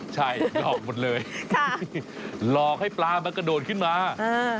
ใช่หลอกหมดเลยหลอกให้ปลามันกระโดดขึ้นมาอ่า